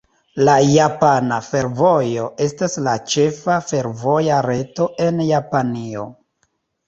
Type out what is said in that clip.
La Japana Fervojo estas la ĉefa fervoja reto en Japanio.